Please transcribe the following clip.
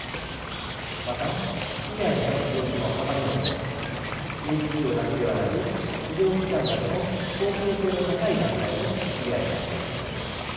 また被害に遭う業種も幅広く営利企業だけではなく医療機関などの公共性の高い団体も被害に遭っています。